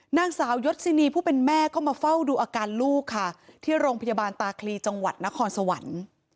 นางสาวยศินีผู้เป็นแม่ก็มาเฝ้าดูอาการลูกค่ะที่โรงพยาบาลตาคลีจังหวัดนครสวรรค์